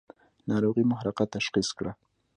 ناروغي محرقه تشخیص کړه.